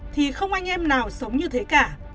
thì không anh em nào sống như thế cả